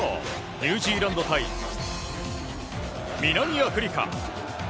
ニュージーランド対南アフリカ。